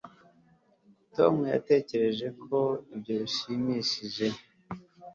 tom yatekereje ko ibyo bishimishije